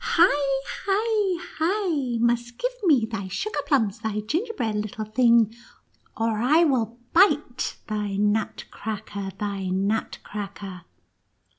" Hi — hi — hi — must give me thy sugar plums — thy ginger bread — little thing — or I will bite thy Nut cracker — thy Nutcracker